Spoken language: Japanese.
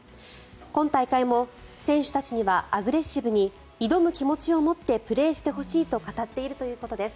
今大会も選手たちにはアグレッシブに挑む気持ちを持ってプレーしてほしいと語っているということです。